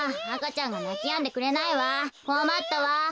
赤ちゃんがなきやんでくれないわこまったわ。